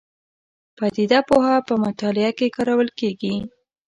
پدیده پوهنه په مطالعه کې کارول کېږي.